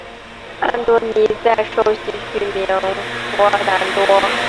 安多尼在受洗取名福尔南多。